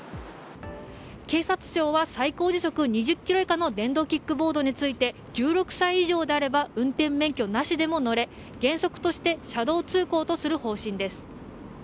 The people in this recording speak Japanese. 警察庁は最高時速２０キロ以下の電動キックボードについて１６歳以上であれば運転免許なしでも乗れ原則として車道通行とする方針です。